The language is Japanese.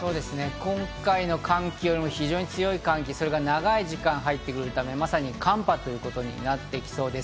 今回の寒気よりも非常に強い寒気、それが長く入ってくるため、まさに寒波となってきそうです。